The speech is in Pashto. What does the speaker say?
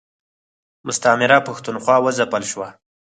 مستعمره پښتونخوا و ځپل شوه.